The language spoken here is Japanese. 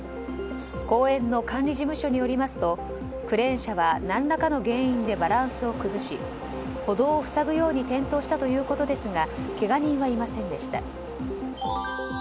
公園の管理事務所によりますとクレーン車は何らかの原因でバランスを崩し歩道を塞ぐように転倒したということですがけが人はいませんでした。